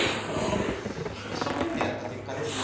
一生懸命やった結果ですからね